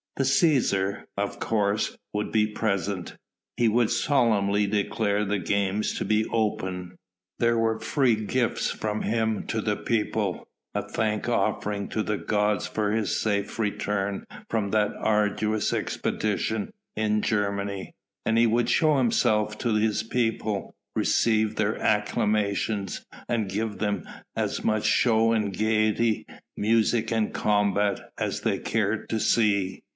The Cæsar, of course, would be present. He would solemnly declare the games to be open. There were free gifts from him to the people: a thank offering to the gods for his safe return from that arduous expedition in Germany; and he would show himself to his people, receive their acclamations and give them as much show and gaiety, music and combats, as they cared to see.